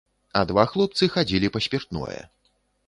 А два хлопцы хадзілі па спіртное.